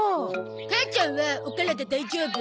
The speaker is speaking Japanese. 母ちゃんはお体大丈夫？